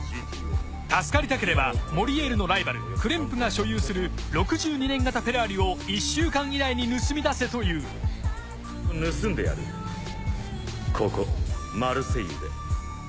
助かりたければモリエールのライバルクレンプが所有する６２年型フェラーリを１週間以内に盗みだせという盗んでやるここマルセイユで。